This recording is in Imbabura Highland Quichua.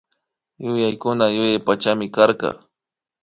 Yayakuna yuyay pakchimi karka